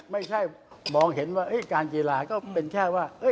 ไม่ใช่มองเห็นว่าการกีฬาก็เป็นแค่ว่า